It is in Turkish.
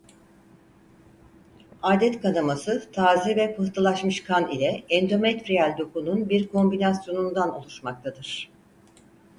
Âdet kanaması taze ve pıhtılaşmış kan ile endometriyal dokunun bir kombinasyonundan oluşmaktadır.